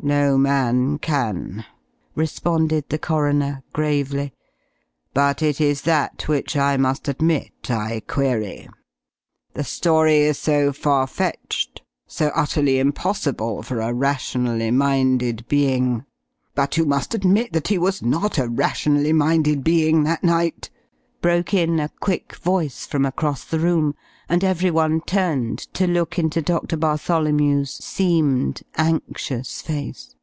"No man can," responded the coroner, gravely, "but it is that which I must admit I query. The story is so far fetched, so utterly impossible for a rationally minded being " "But you must admit that he was not a rationally minded being that night!" broke in a quick voice from across the room, and everyone turned to look into Doctor Bartholomew's seamed, anxious face.